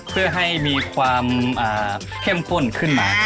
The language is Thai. เพื่อให้มีความเข้มข้นขึ้นมา